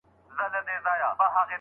رسول الله مخطوبې ته اختيار ورکړی دی.